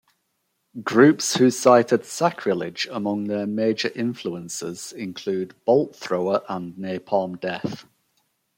Groups who cited Sacrilege among their major influences include Bolt Thrower and Napalm Death.